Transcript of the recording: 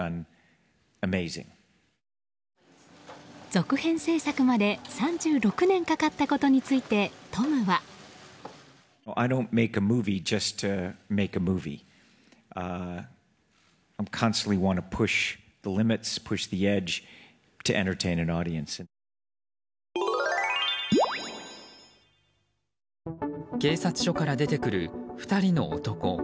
続編制作まで３６年かかったことについてトムは。警察署から出てくる２人の男。